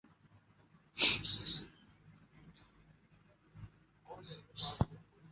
Ili kuwalinda raia dhidi ya unyanyasaji kutoka pande zote katika mzozo.